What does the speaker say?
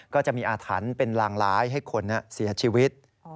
ก็จะมีอาถรรพ์เป็นลางร้ายให้คนเสียชีวิต